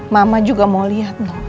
mama juga mau liat no